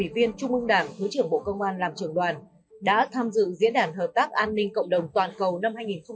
thứ trưởng bộ công an làm trưởng đoàn đã tham dự diễn đàn hợp tác an ninh cộng đồng toàn cầu năm hai nghìn hai mươi ba